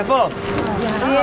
iya gitu banget ya